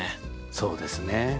そうですね。